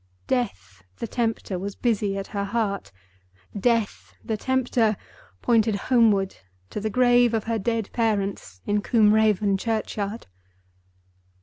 Death, the Tempter, was busy at her heart. Death, the Tempter, pointed homeward, to the grave of her dead parents in Combe Raven churchyard.